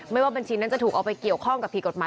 ว่าบัญชีนั้นจะถูกเอาไปเกี่ยวข้องกับผิดกฎหมาย